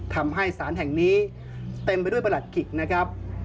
ทำให้สารแห่งนี้เต็มไปด้วยประหลัดขิกนะครับ